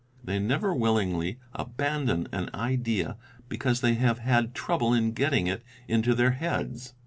They never willingly abandon an idea, because they have had trouble in getting it into their heads.